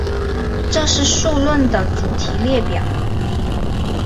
这是数论的主题列表。